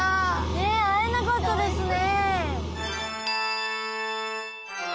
ねっ会えなかったですね。